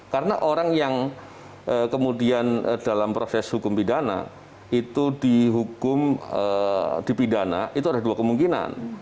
karena orang yang kemudian dalam proses hukum pidana itu dihukum dipidana itu ada dua kemungkinan